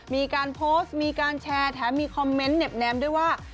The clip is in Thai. มีการโพสต์มีการแชร์แถมมีคอมเมนต์เน็บแนมด้วยว่า